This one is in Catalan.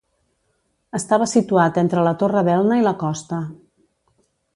Estava situat entre la Torre d'Elna i la costa.